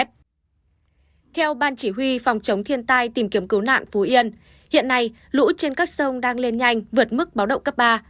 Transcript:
theo ban chỉ huy phòng chống thiên tai tìm kiếm cứu nạn phú yên hiện nay lũ trên các sông đang lên nhanh vượt mức báo động cấp ba